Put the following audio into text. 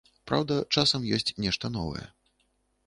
Праўда, часам ёсць нешта новае.